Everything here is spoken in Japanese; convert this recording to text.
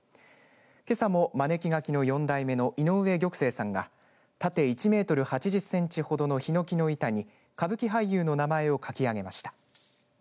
けさも、まねき書きの４代目の井上玉清さんが縦１メートル８０センチほどのひのきの板に歌舞伎俳優の名前を書き上げました。